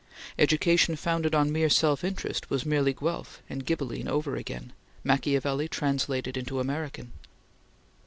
Education founded on mere self interest was merely Guelph and Ghibelline over again Machiavelli translated into American.